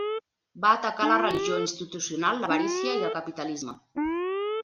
Va atacar la religió institucional, l'avarícia i el capitalisme.